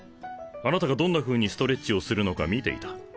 あなたがどんなふうにストレッチをするのか見ていた。